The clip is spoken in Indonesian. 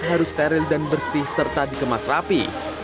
harus steril dan bersih serta dikemas rapi